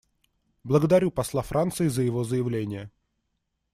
Благодарю посла Франции за его заявление.